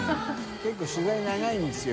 觜取材長いんですよ